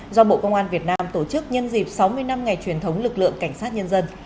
do bộ công an việt nam tổ chức nhân dịp sáu mươi năm ngày truyền thống lực lượng cảnh sát nhân dân